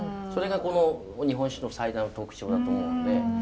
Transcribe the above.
それがこの日本酒の最大の特徴だと思うんで。